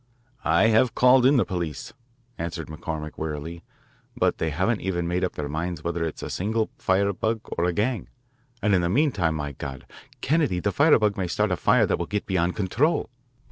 "I have called in the police," answered McCormick wearily, "but they haven't even made up their minds whether it is a single firebug or a gang. And in the meantime, my God, Kennedy, the firebug may start a fire that will get beyond control!"